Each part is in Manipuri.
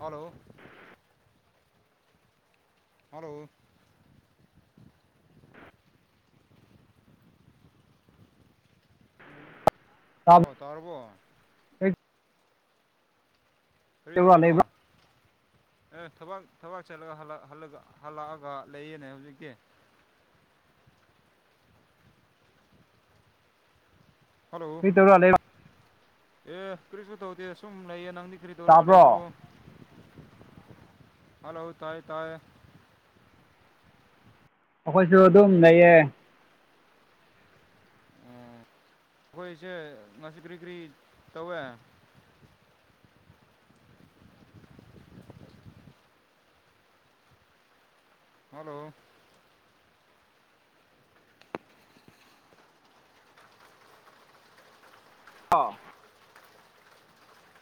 ꯍꯜꯂꯣ ꯍꯂꯣ ꯇꯥꯕ ꯑꯣ ꯇꯥꯔꯕꯣ ꯀꯩ ꯀꯔꯤ ꯇꯧꯔ ꯇꯧꯔꯤꯅꯣ ꯂꯩꯕ꯭ꯔꯣ ꯑꯦ ꯊꯕꯛ ꯊꯕꯛ ꯆꯠꯂꯒ ꯍꯜꯂꯛꯑꯒ ꯂꯩꯌꯦꯅꯦ ꯍꯧꯖꯤꯛꯇꯤ [inaudible] ꯍꯜꯂꯣ ꯃꯤ [unintelligible] ꯑꯦ ꯀꯔꯤꯁꯨ ꯇꯧꯗꯦ ꯁꯨꯝ ꯂꯩꯌꯦ ꯅꯪꯗꯤ ꯀꯔꯤ ꯇꯧꯔꯒ ꯇꯥꯕ꯭ꯔꯣ ꯂꯩꯕ꯭ꯔꯣ ꯍꯜꯂꯣ ꯇꯥꯏ ꯇꯥꯏꯌꯦ ꯑꯈꯣꯏꯁꯨ ꯑꯗꯨꯝ ꯂꯩꯌꯦ ꯑꯈꯣꯏꯁꯦ ꯉꯁꯤ ꯀ꯭ꯔꯤ ꯀ꯭ꯔꯤ ꯇꯧꯋꯦ ꯍꯜꯂꯣ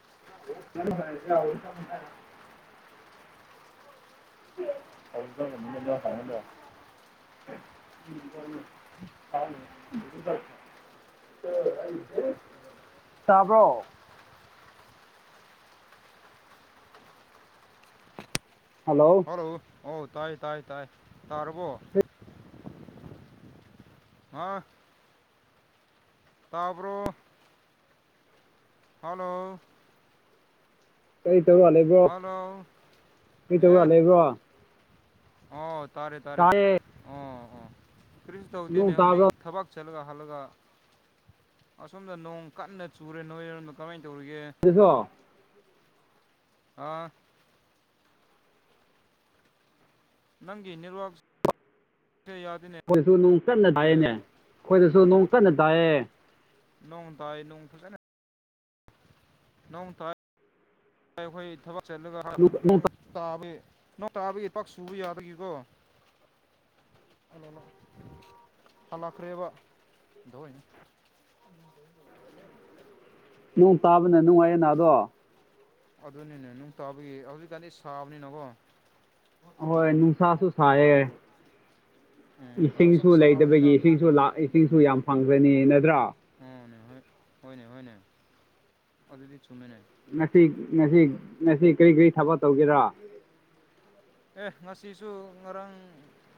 [unintelligible] [unintelligible] [unintelligible] ꯇꯥꯕ꯭ꯔꯣ ꯍꯜꯂꯣ ꯑꯣ ꯇꯥꯏ ꯇꯥꯏ ꯇꯥꯏ ꯇꯥꯔꯕꯣ ꯑꯥ ꯇꯥꯕꯔꯣ ꯍꯜꯂꯣ ꯀꯩ ꯇꯧꯔꯥ ꯂꯩꯕ꯭ꯔꯣ ꯍꯜꯂꯣ ꯀꯩ ꯑꯦ ꯇꯧꯔ ꯂꯩꯕ꯭ꯔꯣ ꯑꯣ ꯇꯥꯔꯦ ꯇꯥꯔꯦ ꯇꯥꯏꯌꯦ ꯑꯣ ꯑꯣ ꯀꯔꯤꯁꯨ ꯇꯧꯗꯦꯅꯦ ꯅꯣꯡ ꯍꯧꯖꯤꯛ ꯇꯥꯕ꯭ꯔꯣ ꯊꯕꯛ ꯁ ꯆꯠꯂꯒ ꯍꯜꯂꯒ ꯑꯁꯣꯝꯗ ꯅꯣꯡ ꯀꯟꯅ ꯆꯨꯔꯦ ꯅꯣꯏꯔꯣꯝꯗ ꯀꯃꯥꯏ ꯇꯧꯔꯤꯒꯦ ꯑꯗꯨꯁꯨ ꯑꯥ ꯅꯪꯒꯤ ꯅꯦꯠꯋꯥꯥꯔꯛꯁ ꯑꯈꯣꯏꯗꯁꯨ ꯅꯣꯡ ꯀꯟꯅ ꯇꯥꯏꯌꯦꯅꯦ ꯑꯈꯣꯏꯗꯁꯨ ꯅꯣꯡ ꯀꯟꯅ ꯇꯥꯏꯌꯦ ꯅꯣꯡ ꯇꯥꯏ ꯅꯣꯡ ꯐꯖꯅ ꯅꯣꯡ ꯇꯥꯏ ꯑꯩꯈꯣꯏ ꯊꯕꯛ ꯆꯠꯂꯒ ꯅꯣꯡ ꯇꯥꯕꯤ ꯅꯣꯡ ꯇꯥꯕꯒꯤ ꯄꯥꯛ ꯁꯨꯕ ꯌꯥꯕꯒꯤꯀꯣ ꯑꯂ ꯂ ꯍꯂꯈꯔꯦꯕ ꯗꯣꯏ ꯎ [inaudible] ꯅꯣꯡ ꯇꯥꯕꯅ ꯅꯨꯡꯉꯥꯏꯌꯦꯅꯥ ꯑꯗꯣ ꯑꯗꯨꯅꯤꯅꯦ ꯅꯨꯡ ꯇꯥꯕꯒꯤ ꯍꯧꯖꯤꯛꯀꯥꯟꯗꯤ ꯁꯥꯕꯅꯤꯅꯀꯣ ꯑꯍꯣꯏ ꯅꯨꯡꯁꯥꯁꯨ ꯁꯥꯏꯌꯦ ꯎꯝ ꯏꯁꯤꯡꯁꯨ ꯅꯨꯡꯁꯥ ꯂꯩꯗꯕꯒꯤ ꯁꯥꯕꯅꯤꯅ ꯏꯁꯤꯡꯁꯨ ꯂꯥꯛ ꯏꯁꯤꯡꯁꯨ ꯌꯥꯝ ꯐꯪꯈ꯭ꯔꯅꯤ ꯅꯠꯗꯔꯥ ꯑꯣ ꯅꯦ ꯍꯣꯏ ꯍꯣꯏꯅꯦ ꯍꯣꯏꯅꯦ ꯑꯗꯨꯗꯤ ꯆꯨꯝꯃꯦꯅꯦ ꯉꯁꯤ ꯉꯁꯤ ꯉꯁꯤ ꯀꯔꯤ ꯀꯔꯤ ꯊꯕꯛ ꯇꯧꯒꯦꯔꯥ ꯑꯦ ꯉꯁꯤꯁꯨ ꯉꯔꯥꯡ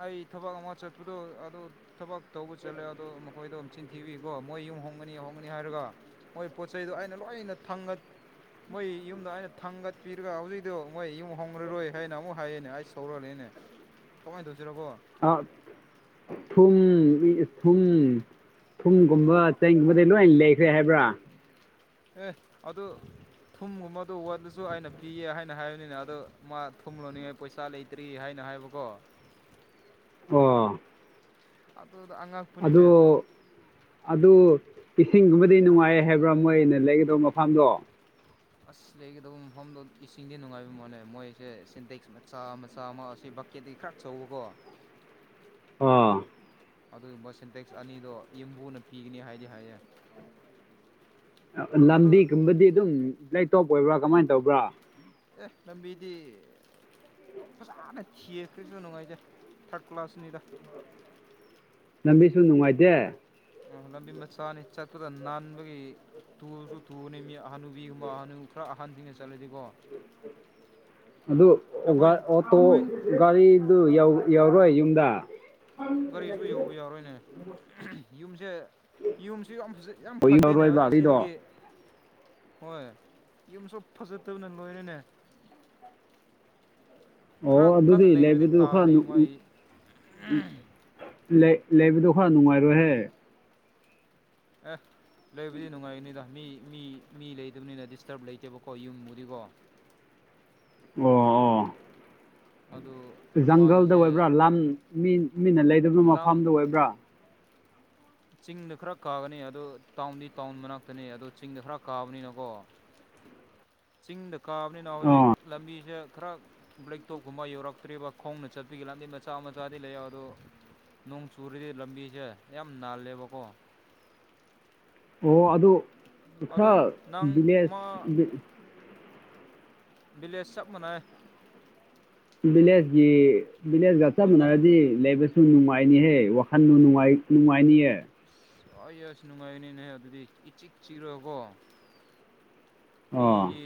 ꯑꯩ ꯊꯕꯛ ꯑꯃ ꯆꯠꯄꯗꯣ ꯑꯗꯨ ꯊꯕꯛ ꯇꯧꯕ ꯆꯠ ꯆꯠꯂꯦ ꯑꯗꯣ ꯃꯈꯣꯏꯗꯣ ꯃꯆꯤꯟ ꯊꯤꯕꯒꯤꯀꯣ ꯃꯣꯏ ꯌꯨꯝ ꯍꯣꯡꯒꯅꯤ ꯍꯣꯡꯒꯅꯤ ꯍꯥꯏꯔꯒ ꯃꯣꯏ ꯄꯣꯠ ꯆꯩꯗꯣ ꯑꯩꯅ ꯂꯣꯏꯅ ꯊꯥ ꯊꯥꯡꯒꯠ ꯃꯣꯏ ꯌꯨꯝꯗ ꯑꯩꯅ ꯊꯥꯡꯒꯠꯄꯤꯔꯒ ꯍꯧꯖꯤꯛꯇꯣ ꯃꯣꯏ ꯌꯨꯝ ꯍꯣꯡꯒꯔꯥꯔꯣꯏ ꯍꯥꯏꯅ ꯑꯃꯨꯛ ꯍꯥꯏꯌꯦꯅꯦ ꯑꯩ ꯁꯧꯔꯛꯂꯦꯅꯦ ꯀꯃꯥꯏꯅ ꯇꯧꯁꯤꯔ ꯀꯣ ꯐꯨꯟ ꯃꯤꯖ ꯐꯨꯟ ꯊꯨꯝꯒꯨꯝꯕ ꯆꯦꯡꯒꯨꯝꯕꯗꯤ ꯂꯣꯏ ꯂꯩꯈ꯭ꯔꯦ ꯍꯥꯏꯕ꯭ꯔꯥ ꯑꯦ ꯑꯗꯨ ꯊꯨꯝꯒꯨꯝꯕꯗꯨ ꯋꯥꯠꯂꯁꯨ ꯑꯩꯅ ꯄꯤꯌꯦ ꯍꯥꯏꯅ ꯍꯥꯏꯕꯅꯤꯅ ꯑꯗꯣ ꯃꯥ ꯊꯨꯝ ꯂꯣꯟꯅꯤꯡꯉꯥꯏ ꯄꯣꯌꯁꯥ ꯂꯩꯇ꯭ꯔꯤ ꯍꯥꯏꯅ ꯍꯥꯏꯕꯀꯣ ꯑꯣ ꯑꯗꯨꯗ ꯑꯗꯨ ꯑꯉꯛꯄꯅꯤꯅꯦ ꯑꯗꯨ ꯏꯁꯤꯡꯒꯨꯝꯕꯗꯤ ꯅꯨꯡꯉꯥꯏ ꯍꯥꯏꯕ꯭ꯔꯥ ꯃꯣꯏꯅ ꯂꯩꯒꯗꯧ ꯃꯐꯝꯗꯣ ꯑꯁ ꯂꯩꯒꯗꯕ ꯃꯐꯝꯗꯣ ꯏꯁꯤꯡꯁꯦ ꯅꯨꯡꯉꯥꯏꯕ ꯃꯂꯦ ꯃꯣꯏꯁꯦ ꯁꯤꯟꯇꯦꯛꯁ ꯃꯆꯥ ꯃꯆꯥ ꯑꯃ ꯑꯁꯤ ꯕꯛꯀꯦꯠꯇꯤ ꯈꯔ ꯆꯧꯕꯀꯣ ꯑꯣ ꯑꯗꯨꯒꯨꯝꯕ ꯁꯤꯟꯇꯦꯛꯁ ꯑꯅꯤꯗꯣ ꯌꯨꯝꯕꯨꯅ ꯄꯤꯒꯅꯤ ꯍꯥꯏꯗꯤ ꯍꯥꯏꯌꯦ ꯑꯗꯨ ꯂꯝꯕꯤꯒꯨꯝꯕꯗꯤ ꯑꯗꯨꯝ ꯂꯦꯛꯇꯣꯞ ꯑꯣꯏꯕ꯭ꯔꯥ ꯀꯃꯥꯏ ꯇꯧꯕ꯭ꯔꯥ ꯑꯦ ꯂꯝꯕꯤꯗꯤ ꯐꯖꯅ ꯊꯤꯈ꯭ꯔꯁꯨ ꯅꯨꯡꯉꯥꯏꯗꯦ ꯊꯥꯔꯠ ꯀ꯭ꯂꯥꯁꯅꯤꯗ ꯂꯝꯕꯤꯁꯨ ꯅꯨꯡꯉꯥꯏꯇꯦ ꯑ ꯂꯝꯕꯤ ꯃꯆꯥꯅꯤ ꯆꯠꯄꯗ ꯅꯥꯟꯕꯒꯤ ꯇꯨꯁꯨ ꯇꯨꯕꯅꯤ ꯃꯤ ꯍꯅꯨꯕꯤꯒꯨꯝꯕ ꯍꯅꯨ ꯈꯔ ꯑꯍꯟꯁꯤꯡꯅ ꯆꯠꯂꯗꯤꯀꯣ ꯑꯗꯨ ꯑꯩꯈꯣꯏ ꯑꯣꯇꯣ ꯑꯩꯈꯣꯏ ꯒꯥꯔꯤꯗꯨ ꯌꯧꯔꯣꯏ ꯌꯨꯝꯗ ꯒꯥꯔꯤꯁꯨ ꯌꯧꯕ ꯌꯥꯔꯣꯏꯅꯦ ꯌꯨꯝꯁꯦ ꯌꯨꯝꯁꯨ ꯌꯥꯝ ꯌꯥꯝ ꯑꯣ ꯐꯠꯇꯦꯅꯦ ꯌꯧꯔꯣꯏꯕ ꯒꯥꯔꯤꯗꯣ ꯑꯁꯤꯗꯒꯤ ꯍꯣꯏ ꯌꯨꯝꯁꯨ ꯐꯖꯠꯇꯕꯅ ꯂꯣꯏꯔꯦꯅꯦ ꯈꯔ ꯑꯣ ꯀꯟꯅ ꯑꯗꯨꯗꯤ ꯂꯩꯉꯩꯗꯤ ꯂꯩꯕꯗꯨ ꯈꯔ ꯇꯥꯔꯅꯤ ꯃꯥꯏ ꯎꯡ ꯂꯩ ꯂꯩꯕꯗꯣ ꯈꯔ ꯅꯨꯡꯉꯥꯏꯔꯣꯏꯍꯦ ꯑꯦ ꯂꯩꯕꯗꯤ ꯅꯨꯡꯉꯥꯏꯅꯤꯗ ꯃꯤ ꯃꯤ ꯃꯤ ꯂꯩꯇꯕꯅꯤꯅ ꯗꯤꯁꯇꯔꯕ ꯂꯩꯇꯦꯕꯀꯣ ꯌꯨꯝꯕꯨꯗꯤꯀꯣ ꯑꯣ ꯑꯣ ꯑꯗꯨ ꯖꯪꯒꯜꯗ ꯃꯥꯒꯤꯁꯦ ꯑꯣꯏꯕ꯭ꯔꯥ ꯂꯝ ꯃꯤ ꯃꯤꯅ ꯂꯩꯗꯕ ꯂꯝ ꯃꯐꯝꯗ ꯑꯣꯏꯕ꯭ꯔꯥ ꯆꯤꯡꯗ ꯈꯔ ꯀꯥꯒꯅꯤ ꯑꯗꯨ ꯇꯥꯎꯟꯗꯤ ꯇꯥꯎꯟ ꯃꯅꯥꯛꯇꯅꯤ ꯑꯗꯨ ꯆꯤꯡꯗ ꯈꯔ ꯀꯥꯕꯅꯤꯅꯀꯣ ꯆꯤꯡꯗ ꯀꯥꯕꯅꯤꯅ ꯍꯧꯖꯤꯛ ꯑꯣ ꯂꯝꯕꯤꯁꯦ ꯈꯔ ꯕ꯭ꯂꯦꯛꯇꯣꯞꯀꯨꯝꯕ ꯌꯧꯔꯛꯇ꯭ꯔꯤꯕ ꯈꯣꯡꯅ ꯆꯠꯄꯤꯒꯤ ꯂꯝꯗꯤ ꯃꯆꯥ ꯃꯆꯥꯗꯤ ꯂꯩꯑꯦ ꯑꯗꯣ ꯅꯣꯡ ꯆꯨꯔꯗꯤ ꯂꯝꯕꯤꯁꯦ ꯌꯥꯝ ꯅꯥꯜꯂꯦꯕꯀꯣ ꯑꯣ ꯑꯗꯨ ꯑꯗꯣ ꯈꯔ ꯕꯤꯂꯦꯁ ꯕꯤ ꯕꯤꯂꯦꯁ ꯆꯞ ꯃꯅꯔꯦ [unintelligible] ꯕꯤꯂꯦꯁꯒꯤ ꯕꯤꯂꯦꯁꯒ ꯆꯞ ꯈꯨꯡꯒꯪ ꯃꯅꯔꯗꯤ ꯂꯩꯕꯁꯨ ꯅꯨꯡꯉꯥꯏꯅꯤꯍꯦ ꯋꯥꯈꯟꯗꯨ ꯅꯨꯉꯥꯏ ꯅꯨꯡꯉꯥꯏꯅꯤ ꯑꯦ ꯑꯁ ꯅꯨꯡꯉꯥꯏꯅꯤꯅꯦ ꯑꯗꯨꯗꯤ ꯏꯆꯤꯛ ꯆꯤꯛꯔ ꯀꯣ ꯑꯥ ꯃꯤꯒꯤ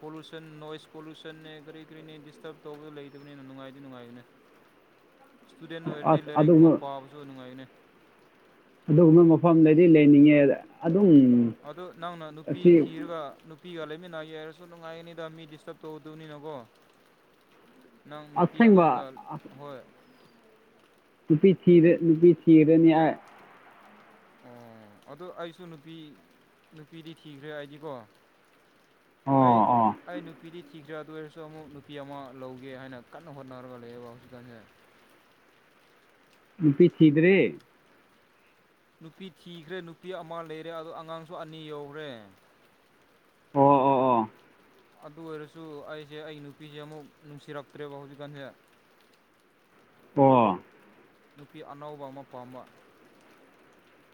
ꯄꯣꯂꯨꯁꯟ ꯅꯣꯏꯁ ꯄꯣꯂꯨꯁꯟꯅꯦ ꯀꯔꯤ ꯀꯔꯤꯅꯦ ꯗꯤꯁꯇꯔꯕ ꯇꯧꯔꯒ ꯂꯩꯇꯕꯅꯤꯅ ꯅꯨꯡꯉꯥꯏꯗꯤ ꯅꯨꯡꯉꯥꯏꯕꯅꯦ ꯏꯁꯇꯨꯗꯦꯟ ꯑꯣꯏꯔꯗꯤ ꯑꯁ ꯂꯥꯏꯔꯤꯛꯃ ꯑꯗꯨꯒꯨꯝꯕ ꯄꯥꯕꯁꯨ ꯅꯨꯡꯉꯥꯏꯅꯦ ꯑꯗꯨꯒꯨꯝꯕ ꯃꯐꯝ ꯂꯩꯗꯤ ꯂꯩꯅꯤꯡꯉꯦꯗ ꯑ ꯑꯗꯨ ꯅꯪꯅ ꯅꯨꯄꯤ ꯊꯤꯔꯒ ꯅꯨ ꯄꯤꯒ ꯂꯩꯃꯤꯟꯅꯒꯦ ꯍꯥꯏꯔꯁꯨ ꯅꯨꯡꯉꯥꯏꯅꯤꯗ ꯃꯤ ꯗꯤꯁꯇꯔꯕ ꯇꯧꯗꯕꯅꯤꯅꯀꯣ ꯅꯪ ꯅꯨꯄꯤ ꯑꯉꯥꯡꯒ ꯑꯁꯦꯡꯕ ꯑꯁ ꯍꯣꯏ ꯅꯨꯄꯤ ꯊꯤꯔ ꯅꯨꯄꯤ ꯊꯤꯔꯅꯤ ꯑꯩ ꯑꯣ ꯑꯗꯨ ꯑꯩꯁꯨ ꯅꯨꯄꯤ ꯅꯨꯄꯤꯗꯤ ꯊꯤꯈ꯭ꯔꯦ ꯑꯩꯗꯤꯀꯣ ꯑꯩ ꯑꯣ ꯑꯣ ꯑꯩ ꯅꯨꯄꯤꯗꯤ ꯀꯤꯖꯗꯧꯔꯁꯨ ꯑꯃꯨꯛ ꯅꯨꯄꯤ ꯑꯃ ꯂꯧꯒꯦ ꯍꯥꯏꯅ ꯀꯟꯅ ꯍꯣꯠꯅꯔꯒ ꯂꯩꯌꯦꯕ ꯍꯧꯖꯤꯛꯀꯥꯟꯁꯦ [inaudible] ꯅꯨꯄꯤ ꯊꯤꯗꯔꯦ ꯅꯨꯄꯤ ꯊꯤꯒꯔꯦ ꯅꯨꯄꯤ ꯑꯃ ꯂꯩꯔꯦ ꯑꯗꯣ ꯑꯉꯥꯡꯁꯨ ꯑꯅꯤ ꯌꯥꯎꯒꯔꯦ ꯑꯣ ꯑꯣ ꯑꯣ ꯑꯗꯨ ꯑꯣꯏꯔꯁꯨ ꯑꯩꯁꯦ ꯑꯩ ꯅꯨꯄꯤꯁꯦ ꯑꯃꯨꯛ ꯅꯨꯡꯁꯤꯔꯛꯇ꯭ꯔꯦꯕ ꯍꯧꯖꯤꯛꯀꯥꯟꯁꯦ [inaudible] ꯑꯣ ꯅꯨꯄꯤ ꯑꯅꯧꯕ ꯑꯃ ꯄꯥꯝꯃ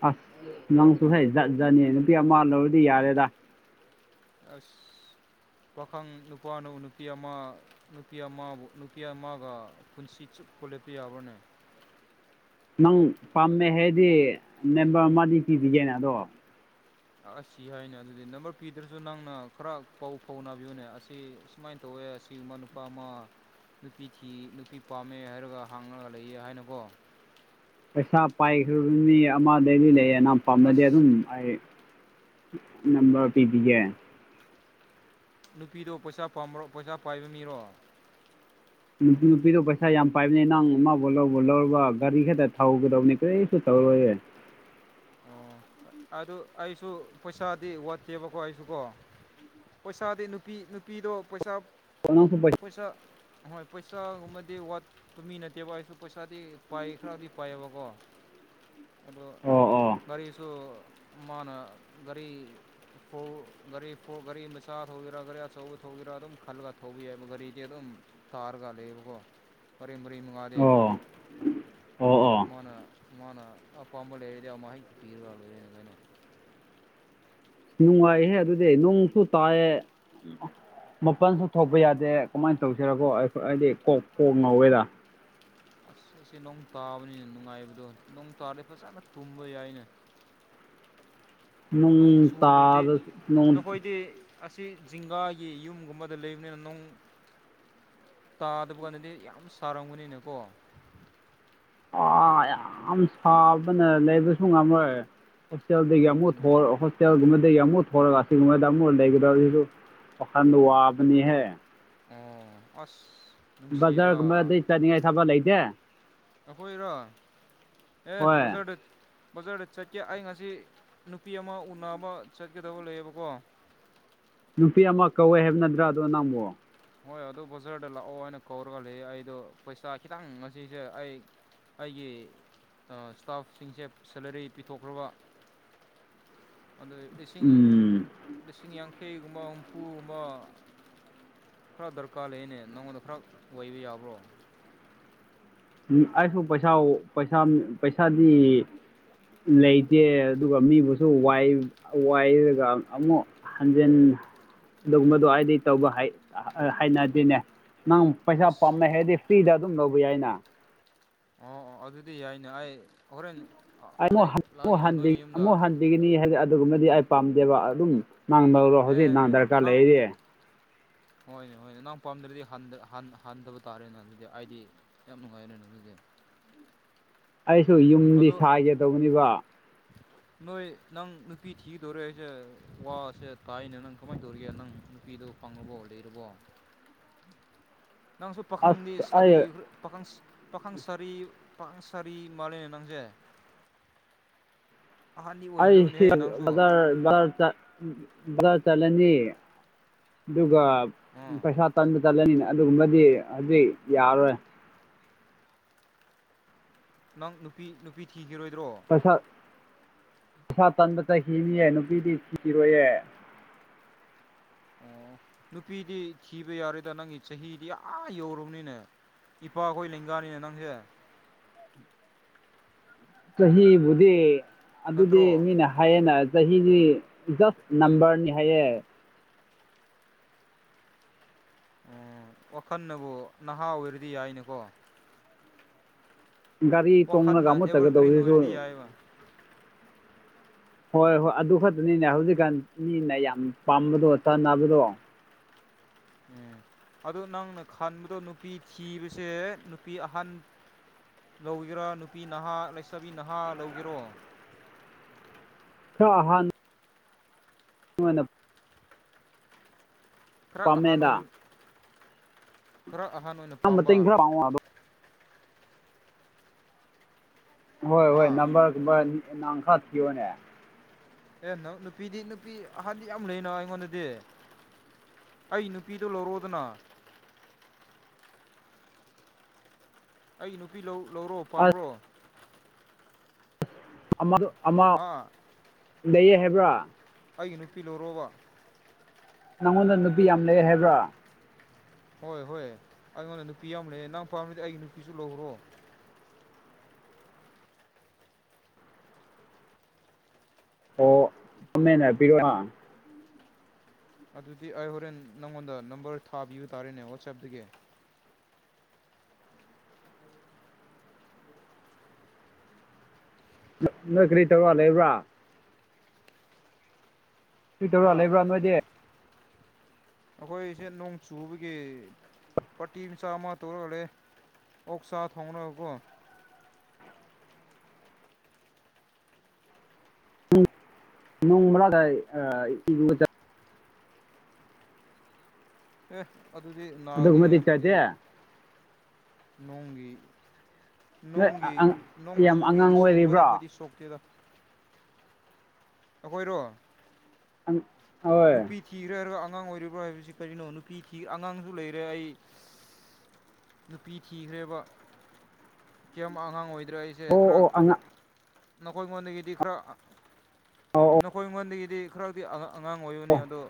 ꯑꯁ ꯅꯪꯁꯨ ꯍꯩ ꯖꯥꯠ ꯖꯥꯠꯅꯤ ꯅꯨꯄꯤ ꯑꯃ ꯂꯧꯔꯗꯤ ꯌꯥꯔꯦꯗ ꯑꯁ ꯄꯥꯈꯪ ꯅꯨꯄꯥꯅꯕꯨ ꯅꯨꯄꯤ ꯑꯃ ꯅꯨꯄꯤ ꯑꯃꯕꯨ ꯅꯨꯄꯤ ꯑꯃꯒ ꯄꯨꯟꯁꯤ ꯄꯨꯂꯦꯞꯄꯤ ꯌꯥꯕꯅꯦ [unintelligible] ꯅꯪ ꯄꯥꯝꯃꯦ ꯍꯥꯏꯗꯤ ꯅꯦꯝꯕꯔ ꯑꯃꯗꯤ ꯄꯤꯔꯤꯒꯦꯅꯦ ꯑꯗꯣ ꯑꯁ ꯁꯤ ꯍꯥꯏꯅꯦ ꯑꯗꯨꯗꯤ ꯅꯝꯕꯔ ꯄꯤꯗ꯭ꯔꯁꯨ ꯅꯪꯅ ꯈꯔ ꯄꯥꯎ ꯐꯥꯎ ꯅꯥꯕꯤꯌꯨꯅꯦ ꯑꯁꯤ ꯁꯨꯃꯥꯏꯅ ꯇꯧꯋ ꯁꯤ ꯃꯅꯄꯥꯥꯃ ꯅꯨꯄꯤ ꯊꯤ ꯅꯨꯄꯤ ꯄꯥꯝꯃꯦ ꯍꯥꯏꯔꯒ ꯍꯥꯡꯉꯒ ꯂꯩꯌꯦ ꯍꯥꯏꯅꯀꯣ ꯄꯩꯁꯥ ꯄꯥꯏꯈ꯭ꯔꯕ ꯃꯤ ꯑꯃꯗꯩꯗꯤ ꯎꯝ ꯂꯩꯌꯦꯅ ꯄꯥꯝꯅꯗꯤ ꯑꯁ ꯑꯗꯨꯝ ꯑꯩ ꯅꯝꯕ ꯄꯤꯕꯤꯒꯦ ꯅꯨꯄꯤꯗꯣ ꯄꯩꯁꯥ ꯄꯥꯝꯕ꯭ꯔꯣ ꯄꯩꯁꯥ ꯄꯥꯏꯕ ꯃꯤꯔꯣ ꯅꯨꯄꯤ ꯅꯨꯄꯤꯗꯣ ꯄꯩꯁꯥ ꯌꯥꯝ ꯄꯥꯏꯕꯅꯦ ꯅꯪ ꯑꯃꯕꯨꯥꯎ ꯂꯧꯕ ꯂꯧꯔꯕ ꯒꯥꯔꯤ ꯈꯛꯇ ꯊꯧꯒꯗꯕꯅꯦ ꯀꯔꯤꯁꯨ ꯇꯧꯔꯕ ꯍꯣꯏ [unintelligible] ꯑꯣ ꯑꯗꯨ ꯑꯩꯁꯨ ꯄꯩꯁꯥꯗꯤ ꯋꯥꯠꯇꯦꯕꯀꯣ ꯑꯩꯁꯨ ꯀꯣ ꯄꯩꯁꯥꯗꯤ ꯅꯨꯄꯤ ꯅꯨꯄꯤꯗꯣ ꯄꯩꯁꯥ ꯄꯩꯁꯥ ꯍꯣꯏ ꯄꯩꯁꯥꯒꯨꯝꯕꯗꯤ ꯋꯥꯠꯇꯨꯃꯤ ꯅꯠꯇꯦꯕ ꯑꯩꯁꯨ ꯄꯩꯁꯥꯗꯤ ꯄꯥꯏ ꯈꯔꯗꯤ ꯄꯥꯏꯑꯕꯀꯣ ꯑꯗꯣ ꯑꯣ ꯑꯣ ꯔꯤꯁꯨꯣ ꯃꯔꯤꯔꯤ ꯔꯤ ꯃ ꯁꯥ ꯊꯧꯒꯦꯔꯥ ꯒꯥꯔꯤ ꯑꯆꯧꯕ ꯊꯧꯒꯦꯔꯥ ꯑꯗꯨꯝ ꯈꯜꯂꯒ ꯊꯧꯕꯤ ꯌꯥꯏꯕ ꯒꯥꯔꯤꯗꯤ ꯑꯗꯨꯝ ꯊꯔꯒ ꯂꯩꯕꯀꯣ ꯐꯔꯤ ꯃꯔꯤ ꯃꯒꯗ ꯑꯣ ꯑꯣ ꯑꯗꯨꯗ ꯑꯣ ꯃꯥꯅ ꯃꯥꯅ ꯑ ꯄꯝꯕꯜ ꯍꯗꯤ ꯃꯥꯍꯤ ꯄꯤꯔ ꯋꯥ ꯑꯣꯏꯔꯅ ꯀꯩꯅꯣ ꯅꯨꯡꯉꯥꯏꯍꯦ ꯑꯗꯨꯗꯤ ꯅꯣꯡꯁꯨ ꯇꯥꯏꯌꯦ ꯃꯄꯜꯁꯨ ꯊꯣꯛꯄ ꯌꯥꯗꯦ ꯀꯃꯥꯏꯅ ꯇꯧꯁꯤꯔꯀꯣ ꯑꯩ ꯍꯥꯏꯗꯤ ꯀꯣꯛ ꯀꯣꯛ ꯉꯧꯋꯦꯗ ꯑꯁ ꯑꯁꯤꯁ ꯅꯣꯡ ꯇꯥꯕꯅꯤꯅ ꯅꯨꯡꯉꯥꯏꯕꯗꯣ ꯅꯣꯡ ꯇꯥꯗꯤ ꯐꯖꯅ ꯇꯨꯝꯕ ꯌꯥꯏꯅꯦ [unintelligible] ꯅꯣꯡ ꯅꯨꯡ ꯆꯨꯗ꯭ꯔꯗꯤ ꯇꯥꯜꯂ ꯅꯣꯡ ꯅꯈꯣꯏꯗꯤ ꯑꯁꯤ ꯖꯤꯡꯒꯥꯒꯤ ꯌꯨꯝꯒꯨꯝꯕꯗ ꯂꯩꯕꯅꯤꯅ ꯅꯣꯡ ꯇꯥꯗꯕ ꯀꯥꯟꯗꯗꯤ ꯌꯥꯝ ꯁꯥꯔꯝꯒꯅꯤꯅꯀꯣ ꯑ ꯌꯥꯝ ꯁꯥꯕꯅ ꯂꯩꯕꯁꯨ ꯉꯝꯃꯣꯏ ꯑꯗꯨꯅꯦ ꯍꯣꯁꯇꯦꯜꯗꯒꯤꯠꯍꯣꯁꯇꯦꯜꯒꯨꯝꯕ ꯗꯒꯤ ꯑꯃꯨꯛ ꯊꯣꯛꯂꯒ ꯑꯁꯤꯒꯨꯝꯕꯗ ꯑꯃꯨꯛ ꯂꯩꯒꯗꯁꯨ ꯋꯥꯈꯜꯗ ꯋꯥꯕꯅꯤꯍꯦ ꯑꯣ ꯑꯁ ꯅꯨꯡꯁꯤꯗ ꯕꯖꯥꯔꯒꯨꯝꯕꯗꯩ ꯆꯥꯅꯤꯡꯉꯥꯏ ꯊꯕ ꯂꯩꯇꯦ ꯑꯩꯈꯣꯏꯔꯣ ꯑꯦ ꯍꯣꯏ ꯕꯖꯔ ꯗꯠ ꯕꯖꯥꯔꯗ ꯆꯠꯀꯦ ꯑꯩ ꯉꯁꯤ ꯅꯨꯄꯤ ꯑꯃ ꯎꯅꯕ ꯆꯠꯀꯗꯕ ꯂꯩꯌꯦꯕꯀꯣ [unintelligible] ꯅꯨꯄꯤ ꯑꯃ ꯀꯧꯋꯦ ꯍꯥꯏꯕꯅꯗ꯭ꯔꯥ ꯑꯗꯣ ꯅꯪꯕꯣ ꯍꯣꯏ ꯑꯗꯨ ꯕꯖꯥꯔꯗ ꯂꯥꯛꯑꯣ ꯍꯥꯏꯅ ꯀꯧꯔꯒ ꯂꯩ ꯑꯩꯗꯣ ꯄꯩꯁꯥ ꯈꯤꯇꯪ ꯉꯁꯤꯁꯦ ꯑꯩ ꯑꯩꯒꯤ ꯏꯁꯇꯥꯐꯁꯤꯡꯁꯦ ꯁꯦꯂꯔꯤ ꯄꯤꯊꯣꯛꯈ꯭ꯔꯕ ꯑꯗꯩ ꯂꯤꯁꯤꯡ ꯎꯝ ꯂꯤꯁꯤꯡ ꯌꯥꯡꯈꯩꯒꯨꯝꯕ ꯍꯨꯝꯐꯨꯒꯨꯝ ꯃ ꯈꯔ ꯗꯔꯀꯥꯔ ꯂꯩꯅꯦ ꯅꯪꯉꯣꯟꯗ ꯈꯔ ꯑꯣꯏꯕ ꯌꯥꯕ꯭ꯔꯣ ꯑꯩꯁꯨ ꯄꯩꯁꯥ ꯄꯩꯁꯥ ꯄꯩꯁꯥꯗꯤ ꯂꯩꯇꯦ ꯑꯗꯨꯒ ꯃꯤꯕꯨꯁꯨ ꯋꯥꯏ ꯋꯥꯏꯔꯒ ꯑꯃꯨꯛ ꯍꯟꯖꯤꯟ ꯑꯗꯨꯒꯨꯝꯕꯗꯣ ꯑꯩꯗꯤ ꯇꯧꯕ ꯍꯩ ꯍꯩꯅꯗꯦꯅꯦ ꯅꯪ ꯄꯩꯁꯥ ꯑꯁ ꯄꯥꯝꯃꯩ ꯍꯥꯏꯗꯤ ꯐ꯭ꯔꯤꯗ ꯑꯗꯨꯝ ꯂꯧꯕ ꯌꯥꯏꯅ ꯑꯣ ꯑꯣ ꯑꯗꯨꯗꯤ ꯌꯥꯏꯅꯦ ꯑꯩ ꯍꯣꯔꯦꯟ ꯑꯩ ꯑꯃꯨꯛ ꯑꯗꯥꯔꯦꯛ ꯑꯃꯨꯛ ꯂꯥꯛꯑꯒꯦꯅꯦ ꯍꯟꯕꯤ ꯅꯣꯏ ꯌꯨꯝꯗ ꯑꯃꯨꯛ ꯍꯟꯕꯤꯒꯅꯤ ꯍꯥꯏꯗꯤ ꯑꯗꯨꯒꯨꯝꯕꯗꯤ ꯑꯩ ꯄꯥꯝꯗꯦꯕ ꯑꯗꯨꯝ ꯅꯥꯡ ꯅꯔꯣ ꯑꯦ ꯍꯧꯖꯤꯛ ꯑꯦ ꯗꯔꯀꯥꯔ ꯅꯪ ꯂꯩꯔꯦ [unintelligible] ꯍꯣꯏꯅꯦ ꯍꯣꯏꯅꯦ ꯅꯪ ꯄꯥꯝꯗ꯭ꯔꯗꯤ ꯍꯟꯗ ꯍꯟ ꯍꯟꯗꯕ ꯇꯥꯔꯦꯅ ꯑꯗꯨꯗꯤ ꯑꯩꯗꯤ ꯌꯥꯝ ꯅꯨꯡꯉꯥꯏꯔꯦꯅꯦ ꯑꯗꯨꯗꯤ [unintelligible] ꯑꯩꯁꯨ ꯌꯨꯝꯗꯤ ꯑꯗꯣ ꯁꯥꯥꯏꯒꯦꯗꯧꯕꯅꯤꯕ [unintelligible] ꯅꯣꯏ ꯅꯪ ꯅꯨꯄꯤ ꯊꯤꯒꯗꯧꯔꯦ ꯑꯩꯁꯦ ꯋꯥꯁꯦ ꯇꯥꯏꯅꯦ ꯅꯪ ꯀꯃꯥꯏꯅ ꯇꯧꯔꯤꯒꯦ ꯅꯪ ꯅꯨꯄꯤꯗꯣ ꯄꯡꯉꯕꯣ ꯂꯩꯔꯕꯣ ꯅꯪꯁꯨ ꯄꯥꯈꯪꯗꯤ ꯑꯁ ꯁꯥꯔꯤ ꯑꯩ ꯄꯥꯈꯪ ꯄꯥꯈꯪ ꯁꯔꯤ ꯄꯥꯈꯪꯁꯔꯤ ꯃꯥꯂꯅꯦ ꯅꯪꯖꯩ ꯑꯩ ꯁꯤꯖ ꯆ ꯚ ꯆꯠꯂꯅꯤ ꯑꯗꯨꯒ ꯑꯥ ꯄꯩꯁꯥ ꯇꯟꯕ ꯆꯠꯂꯅꯤꯅ ꯑꯗꯨꯒꯨꯝꯕꯗꯤ ꯍꯧꯖꯤꯛ ꯌꯥꯔꯣꯏ ꯅꯪ ꯅꯨꯄꯤ ꯅꯨꯄꯤ ꯊꯤꯈꯤꯔꯣꯏꯗ꯭ꯔꯣ ꯏꯁꯁꯥ ꯇꯟꯥꯟꯕꯗ ꯆꯍꯤꯅꯤꯌꯦ ꯅꯨꯄꯤꯗꯤ ꯊꯤꯔꯣꯏꯌꯦ ꯑꯣ ꯅꯨꯄꯤꯗꯤ ꯊꯤꯕ ꯌꯥꯔꯣꯏꯗ ꯅꯪꯒꯤ ꯆꯍꯤꯗꯤ ꯑꯥ ꯌꯧꯔꯝꯅꯤꯅꯦ ꯏꯄꯥ ꯑꯩꯈꯣꯏ ꯂꯦꯡꯒꯥꯅꯤꯅꯦ ꯅꯪꯁꯦ ꯆꯍꯤꯕꯨꯗꯤ ꯑꯗꯨꯗꯤ ꯅꯠꯇ꯭ꯔꯣ ꯃꯤꯅ ꯍꯥꯏꯌꯦꯅ ꯆꯍꯤ ꯖꯁ ꯅꯝꯝꯕꯔꯅꯤ ꯍꯥꯏꯌꯦ ꯎꯝ ꯋꯥꯈꯜꯅꯕꯨ ꯅꯍꯥ ꯑꯣꯏꯔꯗꯤ ꯌꯥꯏꯅꯤꯀꯣ ꯒꯥꯔꯤ ꯇꯣꯡꯡꯂꯒ ꯑꯦꯚꯔꯒ꯭ꯔꯤꯟ ꯑꯃꯨꯊꯒꯗꯧꯁꯤꯁꯨ ꯑꯣꯏꯔꯗꯤ ꯌꯥꯏꯕ ꯍꯣꯏ ꯍꯣꯏ ꯑꯗꯨ ꯈꯛꯇꯅꯤꯅꯦ ꯍꯧꯖꯤꯛꯀꯥꯟ ꯃꯤꯅ ꯌꯥꯝ ꯄꯥꯝꯕꯗꯣ ꯆꯥꯅꯕꯗꯣ ꯎꯝ ꯑꯗꯨ ꯅꯪꯅ ꯈꯟꯕꯗꯣ ꯅꯨꯄꯤ ꯊꯤꯕꯁꯦ ꯅꯨꯄꯤ ꯑꯍꯟ ꯂꯧꯒꯦꯔꯥ ꯅꯨꯄꯤ ꯅꯍꯥ ꯂꯩꯁꯕꯤ ꯅꯍꯥ ꯂꯧꯒꯦꯔꯣ ꯍ ꯍ [unintelligible] ꯐꯔꯛ ꯄꯥꯝꯃꯦꯗ ꯑꯍꯥꯟꯅꯣꯏ ꯈꯔ ꯑꯍꯥꯟ ꯑꯣꯏꯅ ꯅꯪ ꯄꯥꯝꯕ ꯃꯇꯦꯡ ꯈꯔ ꯄꯥꯡꯉꯣ ꯑꯗꯣ ꯍꯣꯏ ꯍꯣꯏ ꯍꯥ ꯅꯝꯕꯔꯒꯨꯝꯕ ꯅꯪꯈꯥ ꯊꯤꯌꯣꯅꯦ ꯑꯦ ꯅ ꯅꯨꯄꯤꯗꯤ ꯅꯨꯄꯤ ꯑꯍꯥꯟꯕꯗꯤ ꯌꯥꯝ ꯂꯩꯔꯤꯅꯣ ꯑꯩꯉꯣꯟꯗꯗꯤ ꯑꯩ ꯅꯨꯄꯤꯗꯨꯣ ꯂꯧꯔꯣꯗꯅ ꯑꯩ ꯅꯨꯄꯤ ꯂꯧ ꯂꯧꯔꯣ ꯑꯁ ꯄꯥꯝ꯭ꯔꯣ ꯑ ꯃꯗꯨ ꯍꯥ ꯂꯩꯌꯦ ꯍꯥꯏꯕ꯭ꯔꯥ ꯑꯩꯒꯤ ꯅꯨꯄꯤ ꯂꯧꯣꯔꯣꯕ ꯅꯪꯉꯣꯟꯗ ꯅꯨꯄꯤ ꯌꯥꯝ ꯂꯩꯦ ꯍꯥꯏꯕ꯭ꯔꯥ ꯍꯣꯏ ꯍꯣꯏ ꯑꯩꯉꯣꯟꯗ ꯅꯨꯄꯤ ꯑꯃ ꯂꯩꯦ ꯅꯪ ꯄꯥꯝꯗꯤ ꯑꯩꯒꯤ ꯅꯨꯄꯤꯁꯨ ꯂꯧꯔꯣ ꯑꯣ ꯇꯃꯦꯟꯅ ꯄꯤꯔꯣꯑꯣ ꯑꯗꯨꯗꯤ ꯑꯩ ꯍꯣꯔꯦꯟ ꯅꯪꯉꯣꯟꯗ ꯅꯝꯕꯔ ꯊꯥꯕꯤꯕ ꯇꯥꯔꯦꯅꯦ ꯋꯥꯆꯦꯞꯇꯒꯤ ꯅ ꯀꯔꯤ ꯇꯧꯔ ꯂꯩꯕ꯭ꯔꯥ ꯍꯥ ꯀꯨꯏꯗꯧꯔꯥ ꯂꯩꯕ꯭ꯔꯥ ꯅꯣꯏꯗꯤ ꯑꯩꯈꯣꯏꯁꯦ ꯅꯣꯡ ꯆꯨꯕꯒꯤ ꯄꯥꯔꯇꯤ ꯃꯆꯥ ꯑꯃ ꯇꯧꯔꯛꯂꯦ ꯑꯣꯛꯁꯥ ꯊꯣꯡꯅꯀꯣ ꯅꯣꯡꯣꯡꯕ꯭ꯔ ꯑ ꯑꯦ ꯑꯗꯨꯗꯤ ꯅꯥꯒꯅꯤꯍꯦ ꯑꯗꯨꯒꯨꯝꯕꯗꯤ ꯑꯩꯈꯣꯏꯗꯤ ꯆꯥꯗꯦ ꯅꯣꯡꯒꯤ ꯅꯣꯏ ꯅꯣꯡꯒꯤ ꯅꯣꯡ ꯌꯥꯝ ꯆꯨꯕꯤ ꯑꯉꯥꯡ ꯏꯁꯤꯡꯒꯨꯝꯕꯗꯤ ꯑꯣꯏꯔꯤꯕ꯭ꯔꯣ ꯑꯩꯈꯣꯏꯗꯤ ꯁꯣꯛꯇꯦꯗ ꯑꯩꯈꯣꯏꯔꯣ ꯑ ꯅꯨꯄꯤ ꯊꯤꯔ ꯑꯉꯥꯡ ꯑꯣꯏꯔꯤꯕ꯭ꯔꯥ ꯍꯥꯏꯕꯁꯤ ꯀꯔꯤꯅꯣ ꯅꯨꯄꯤ ꯑꯉꯥꯡꯁꯨ ꯂꯩꯔꯦ ꯑꯩ ꯅꯨꯄꯤ ꯊꯤꯈ꯭ꯔꯦꯕ ꯀꯌꯥꯝ ꯑꯉꯥꯡ ꯑꯣꯏ ꯗ꯭ꯔ ꯑꯩꯁꯦ ꯑꯣ ꯈ꯭ꯔꯛ ꯑꯣ ꯑꯉꯥꯡ ꯅꯈꯣꯏ ꯑꯩꯉꯣꯟꯗꯒꯤꯗꯤ ꯈꯔ ꯑꯣ ꯑꯣ ꯅꯈꯣꯏ ꯑꯩꯉꯣꯟꯗꯒꯤꯗꯤ ꯈꯔꯗꯤ ꯑꯉꯥꯡ ꯑꯣꯏꯕꯅꯤ ꯑꯣ ꯑꯗꯣ